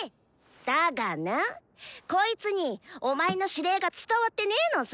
だがなこいつにお前の指令が伝わってねえのさ。